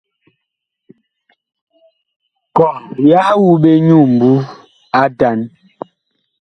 Kɔh yah wu ɓe nyu ŋmbu atan.